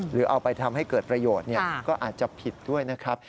หรือเอาไปทำให้เกิดประโยชน์ก็อาจจะผิดด้วยนะครับ